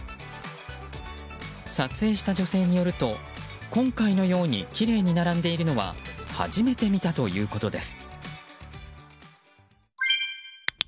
撮影した女性によると今回のようにきれいに並んでいるのは初めて見たということです。